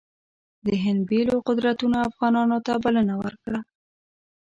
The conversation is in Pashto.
د هند بېلو قدرتونو افغانانو ته بلنه ورکړه.